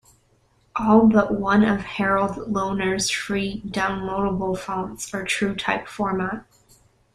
All but one of Harold Lohner's free downloadable fonts are TrueType format.